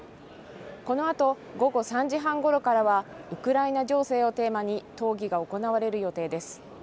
このあと午後３時半ごろからはウクライナ情勢をテーマに討議が行われる予定です。